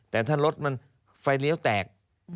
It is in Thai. แต่ถ้ารถมันไฟเลี้ยวแตก